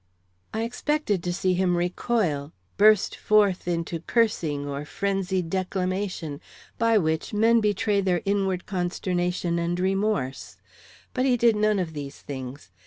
I expected to see him recoil, burst forth into cursing or frenzied declamation, by which men betray their inward consternation and remorse; but he did none of these things.